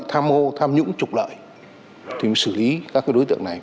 tham hô tham nhũng trục lợi thì mới xử lý các cái đối tượng này